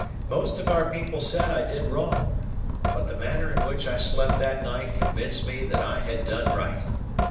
Most of our people said I did wrong; but the manner in which I slept that night convinced me that I had done right.